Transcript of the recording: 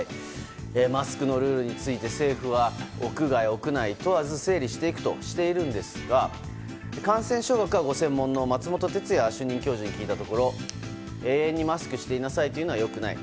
マスクのルールについて政府は屋内・屋外問わず整理していくとしているんですが感染症学がご専門の松本哲哉主任教授に聞いたところ永遠にマスクしていなさいというのは良くない。